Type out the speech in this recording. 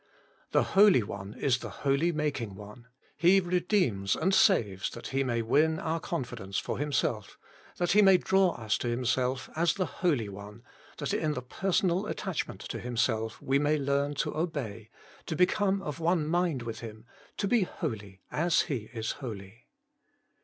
The Holy One is the Holy making One : He redeems and saves that He may win our confidence for Himself, that He may draw us to Himself as the Holy One, that in the personal attachment to Him self we may learn to obey, to become of one mind with Him, to be holy as He is holy.